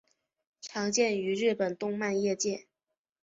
常见于日本动漫业界。